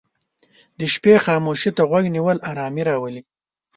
د شپې خاموشي ته غوږ نیول آرامي راولي.